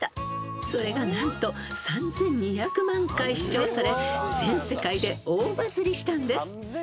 ［それが何と３，２００万回視聴され全世界で大バズりしたんです］